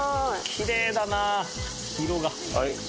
きれいだな色が。